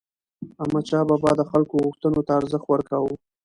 احمدشاه بابا د خلکو غوښتنو ته ارزښت ورکاوه.